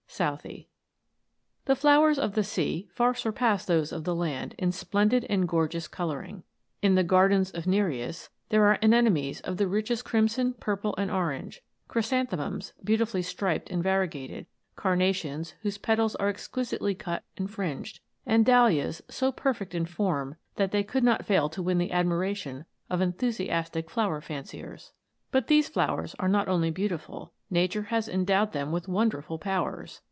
SOUTHET. THE flowers of the sea far surpass those of the land in splendid and gorgeous colouring. In the " gardens of N"ereus" there are anemones of the richest crim son, purple, and orange; chrysanthemums, beauti fully striped and variegated ; carnations, whose petals are exquisitely cut and fringed ; and dahlias, so per fect in form that they could not fail to win the admiration of enthusiastic flower fanciers. But these flowers are not only beautiful. Nature has endowed them with wonderful powers.